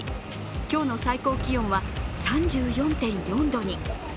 今日の最高気温は３４．４度に。